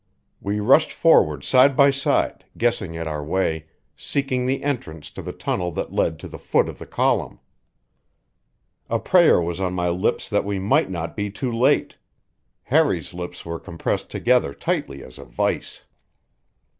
We rushed forward side by side, guessing at our way, seeking the entrance to the tunnel that led to the foot of the column. A prayer was on my lips that we might not be too late; Harry's lips were compressed together tightly as a vise.